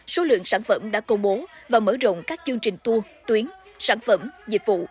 số lượng sản phẩm đã công bố và mở rộng các chương trình tour tuyến sản phẩm dịch vụ